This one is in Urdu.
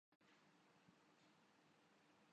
خاندانی لوگ اسی اصول پہ چلتے ہیں۔